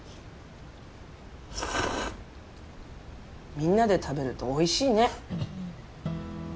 みんなで食べるとおいしいね。